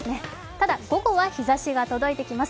ただ、午後は日ざしが届いてきます